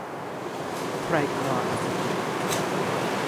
ไทรคลออาซิติก